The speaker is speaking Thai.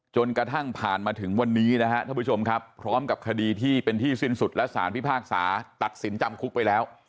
จนกระทั่งผ่านมาถึงวันนี้นะครับท่านผู้ชมครับพร้อมกับคดีที่เป็นที่สิ้นสุดและสารพิพากษาตัดสินจำคุกไปแล้ว